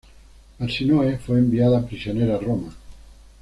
Arsínoe fue enviada prisionera a Roma.